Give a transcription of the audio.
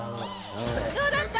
どうだった？